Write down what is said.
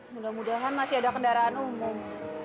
mudah mudahan masih ada kendaraan umum